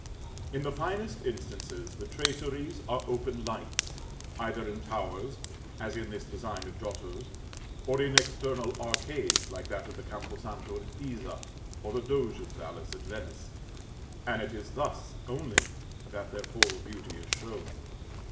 In the finest instances, the traceries are open lights, either in towers, as in this design of Giotto's or in external arcades like that of the Campo Santo at Pisa or the Doge's palace at Venice; and it is thus only that their full beauty is shown.